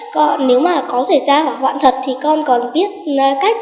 còn nếu mà có xảy ra hỏa hoạn thật thì con còn biết cách